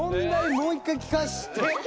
もう１回聞かして。